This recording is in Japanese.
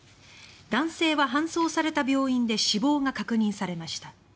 男性は搬送された病院で死亡が確認されました。